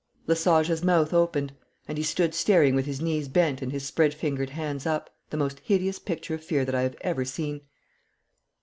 Lesage's mouth opened, and he stood staring with his knees bent and his spread fingered hands up, the most hideous picture of fear that I have ever seen.